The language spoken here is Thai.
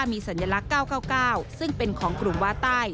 มีสัญลักษณ์๙๙๙ซึ่งเป็นของกลุ่มวาใต้